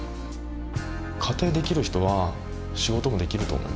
家庭できる人は仕事もできると思います。